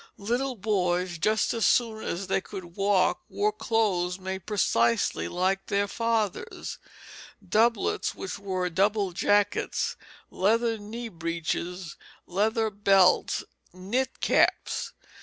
Little boys just as soon as they could walk wore clothes made precisely like their fathers': doublets which were warm double jackets, leather knee breeches, leather belts, knit caps.